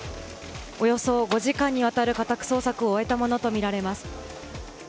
およそ５時間にわたる家宅捜索を終えたものとみられます。